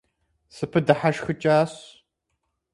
СыпыдыхьэшхыкӀащ.